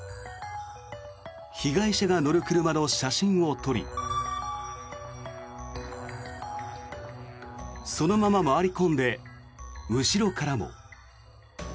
被害者が乗る車の写真を撮りそのまま回り込んで後ろからも。